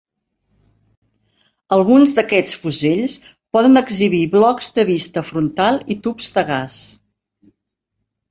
Alguns d'aquests fusells poden exhibir blocs de vista frontal i tubs de gas.